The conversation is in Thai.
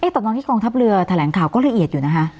แต่ตอนที่กองทัพเรือแถลงข่าวก็ละเอียดอยู่นะคะ